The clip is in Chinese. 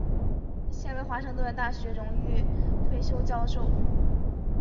现为华盛顿大学荣誉退休教授。